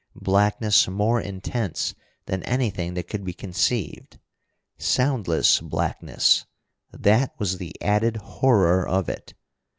Blackness more intense than anything that could be conceived soundless blackness, that was the added horror of it.